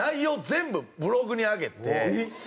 全部ブログに上げて。